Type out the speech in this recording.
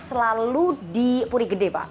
selalu di puri gede pak